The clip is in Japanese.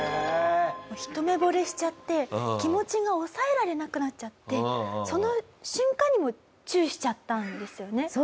一目惚れしちゃって気持ちが抑えられなくなっちゃってその瞬間にもうチューしちゃったんですよね？